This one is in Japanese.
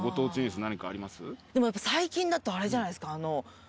最近だとあれじゃないですか。